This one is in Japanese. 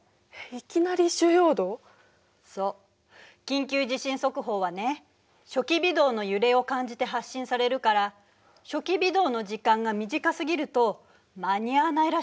緊急地震速報はね初期微動の揺れを感じて発信されるから初期微動の時間が短すぎると間に合わないらしいのよ。